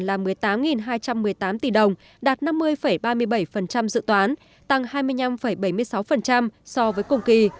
là một mươi tám hai trăm một mươi tám tỷ đồng đạt năm mươi ba mươi bảy dự toán tăng hai mươi năm bảy mươi sáu so với cùng kỳ